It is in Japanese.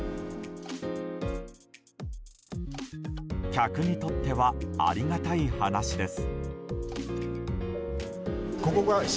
客にとってはありがたい話です。